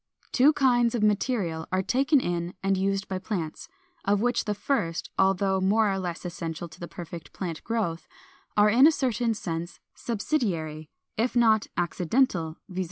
448. Two kinds of material are taken in and used by plants; of which the first, although more or less essential to perfect plant growth, are in a certain sense subsidiary, if not accidental, viz.